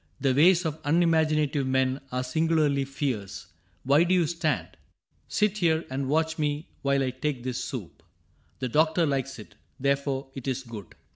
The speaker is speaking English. The ways of unimaginative men Are singularly fierce ... Why do you stand ? CAPTAIN CRAIG 53 Sit here and watch me while I take this soup. The doctor likes it, therefore it is good.